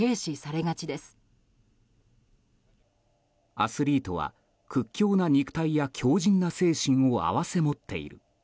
アスリートは屈強な肉体や強靭な精神を併せ持っている。